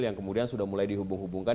yang kemudian sudah mulai dihubung hubungkan